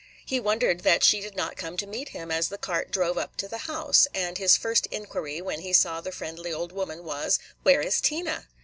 He wondered that she did not come to meet him as the cart drove up to the house, and his first inquiry, when he saw the friendly old woman, was "Where is Tina?"